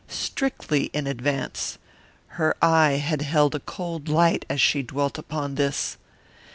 Strictly in advance. Her eye had held a cold light as she dwelt upon this.